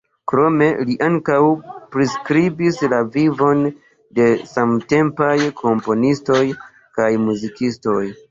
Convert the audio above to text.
Krome li ankaŭ priskribis la vivon de samtempaj komponistoj kaj muzikistoj.